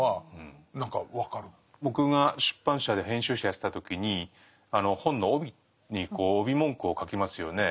僕が出版社で編集者やってた時に本の帯に帯文句を書きますよね。